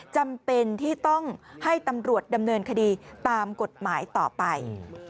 จำเป็นที่ต้องให้ตำรวจดำเนินคดีตามกฎหมายต่อไป